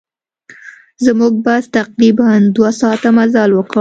زموږ بس تقریباً دوه ساعته مزل وکړ.